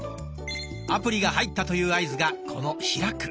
アプリが入ったという合図がこの「開く」。